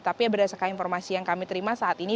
tapi berdasarkan informasi yang kami terima saat ini